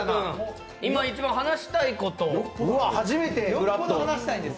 今、一番話したいことを。